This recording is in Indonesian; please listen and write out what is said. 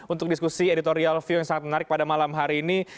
untuk diskusi editorial view yang sangat menarik pada malam hari ini